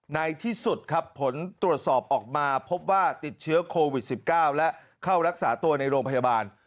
ในที่สุดครับผลตรวจสอบออกมาพบว่าติดเชื้อโควิด๑๙และเข้ารักษาตัวในโรงพยาบาล